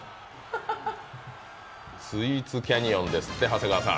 スイーツキャニオンですって長谷川さん。